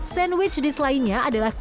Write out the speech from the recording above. sandwich dish lainnya